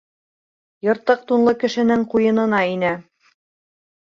Йыртыҡ тунлы кешенең ҡуйынына инә.